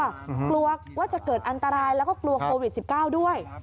กลัวว่าจะเกิดอันตรายแล้วก็กลัวโควิด๑๙ด้วย